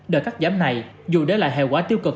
đợt cắt giảm này dù để lại hệ quả tiêu cực